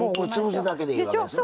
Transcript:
潰すだけでいいわけですね。